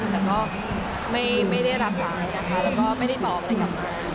แต่ก็ไม่ได้รับสายนะคะแล้วก็ไม่ได้ตอบอะไรกับใคร